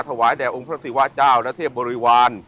แด่องค์พระศิวะเจ้าและเทพบริวาร